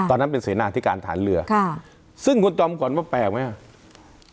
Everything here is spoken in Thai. ตอนนั้นเป็นเสนาทิการฐานเรือค่ะซึ่งคุณจำก่อนมันแปลกไหมอ่า